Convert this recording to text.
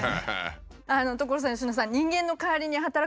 所さん佳乃さん。